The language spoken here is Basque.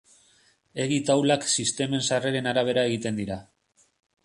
Egi taulak sistemen sarreren arabera egiten dira.